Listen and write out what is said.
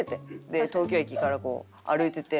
で東京駅からこう歩いてて。